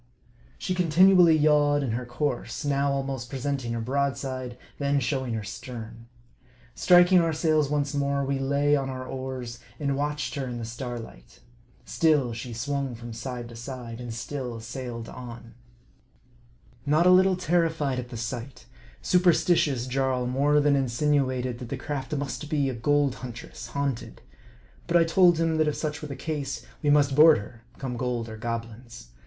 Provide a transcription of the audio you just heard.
She continually yawed in her course ; now almost presenting her broadside, then showing 1 her stern. Striking our sails once more, we lay on our oars, and watched her in the starlight. Still she swung from side to side, and still sailed on. '. i; v VOL. I, D 74 M A R D I. Not a little terrified at the sight, superstitious Jarl more than insinuated that the craft must be a gold huntress, haunted. But I told him, that if such were the case, we must board her, come gold or goblins.